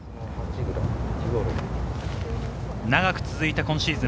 長く続いた今シーズン。